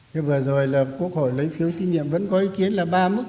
thế vừa rồi là quốc hội lấy phiếu tín nhiệm vẫn có ý kiến là ba mức